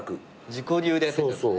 自己流でやってきたんすね。